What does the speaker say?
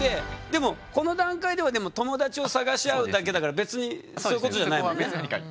でもこの段階では友達を探し合うだけだから別にそういうことじゃないもんね。